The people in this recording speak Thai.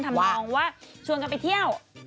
ทำนองว่าชวนกันไปเที่ยว